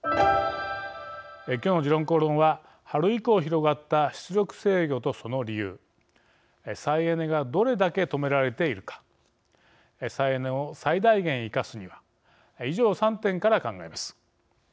今日の「時論公論」は春以降広がった出力制御とその理由再エネがどれだけ止められているか再エネを最大限生かすには以上、３点から考えます。